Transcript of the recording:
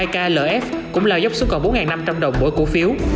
hai klf cũng lao dốc xuống còn bốn năm trăm linh đồng mỗi cổ phiếu